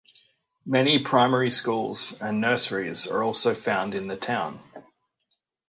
Many primary schools and nurseries are also found in the town.